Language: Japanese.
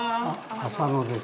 浅野です。